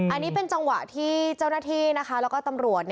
อันนี้เป็นจังหวะที่เจ้าหน้าที่นะคะแล้วก็ตำรวจ